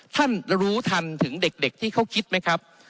ท่านรู้ทันถึงเด็กที่เขาคิดไหมครับ